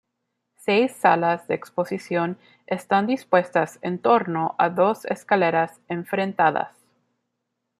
Seis salas de exposición están dispuestas en torno a dos escaleras enfrentadas.